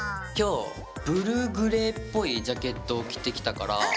今日ブルーグレーっぽいジャケットを着てきたから。